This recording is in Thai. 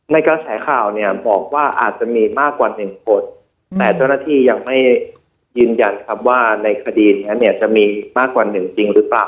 กระแสข่าวเนี่ยบอกว่าอาจจะมีมากกว่าหนึ่งคนแต่เจ้าหน้าที่ยังไม่ยืนยันครับว่าในคดีนี้เนี่ยจะมีมากกว่าหนึ่งจริงหรือเปล่า